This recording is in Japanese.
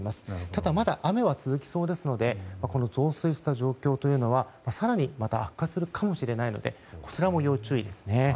ただ、まだ雨は続きそうですので増水した状況というのは更にまた悪化するかもしれないので要注意ですね。